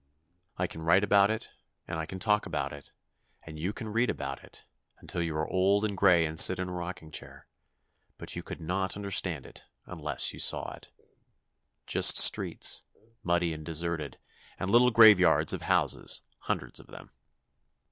I can write about it, and I can talk about it, and you can read about it, until you are old and gray and sit in a rocking chair, but you could not understand it unless you saw it. Just streets, muddy and deserted, and little graveyards of houses, hundreds of them.